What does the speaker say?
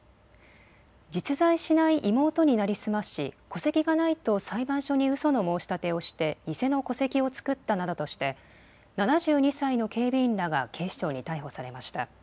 実在しない妹に成り済まし戸籍がないと裁判所にうその申し立てをして偽の戸籍を作ったなどとして７２歳の警備員らが警視庁に逮捕されました。